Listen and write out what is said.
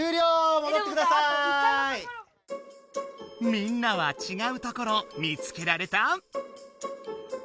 みんなはちがうところ見つけられた？